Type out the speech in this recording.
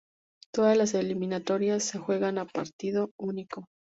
Todas las eliminatorias se juegan a partido único.